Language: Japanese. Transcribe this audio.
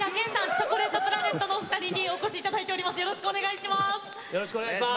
チョコレートプラネットのお二人にお越しいただいております。